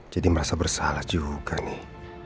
jadi merasa bersalah juga nih